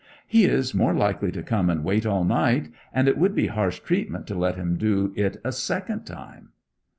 'He is more likely to come and wait all night; and it would be harsh treatment to let him do it a second time.'